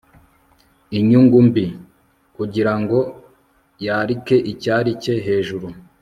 inyungu mbi r kugira ngo yarike icyari cye hejuru